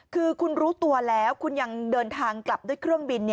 คือคุณรู้ตัวแล้วคุณยังเดินทางกลับด้วยเครื่องบิน